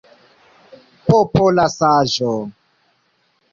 Popola saĝo!